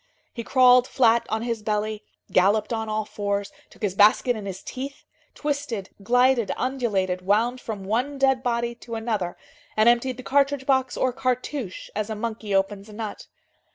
He crawled flat on his belly, galloped on all fours, took his basket in his teeth, twisted, glided, undulated, wound from one dead body to another, and emptied the cartridge box or cartouche as a monkey opens a nut.